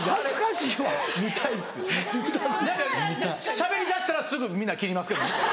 しゃべりだしたらすぐみんな切りますけどね。